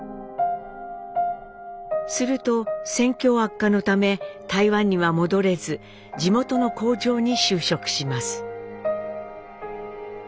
すると戦況悪化のため台湾には戻れず地元の工場に就職します。